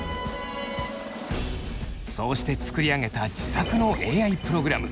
そうして作り上げた自作のＡＩプログラム。